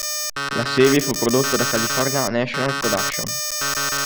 La serie fu prodotta da California National Productions.